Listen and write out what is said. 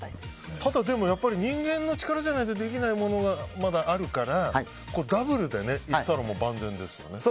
ただ、人間の力じゃないとできないものがまだあるからダブルでいったらもう万全ですよね。